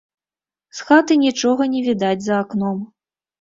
З хаты нічога не відаць за акном.